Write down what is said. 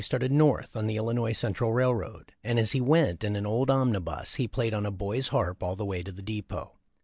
started North, on the Illinois Central Railroad, and as he went in an old omnibus he played on a boy's harp all the way to the depot.